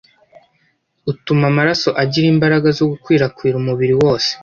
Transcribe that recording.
utuma amaraso agira imbaraga zo gukwirakwira umubiri wose